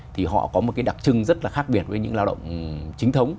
thì họ có một cái đặc trưng rất là khác biệt với những lao động chính thống